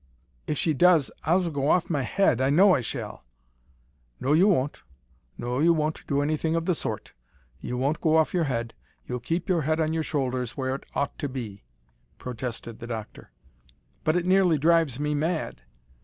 "If she does, I s'll go off my head, I know I shall." "No, you won't. No, you won't do anything of the sort. You won't go off your head. You'll keep your head on your shoulders, where it ought to be," protested the doctor. "But it nearly drives me mad."